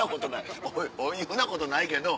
お湯なことないけど。